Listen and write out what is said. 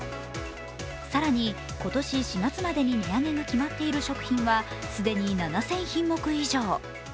更に、今年４月までに値上げの決まっている食品は既に７０００品目以上。